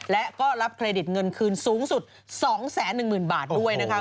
และก็รับเครดิตเงินคืนสูงสุด๒๑๐๐๐บาทด้วยนะคะ